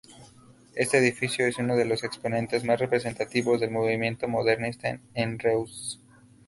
Este edificio es uno de los exponentes más representativos del movimiento modernista en Reus.